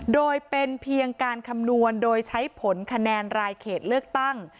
โดยเป็นเพียงการคำนวณโดยใช้ผลคะแนนรายเขตเลือกตั้ง